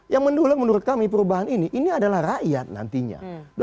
yang mendulang menurut kami perubahan ini ini adalah rakyat nantinya